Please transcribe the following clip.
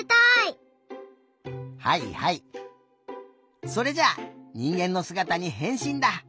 はいはいそれじゃあにんげんのすがたにへんしんだ！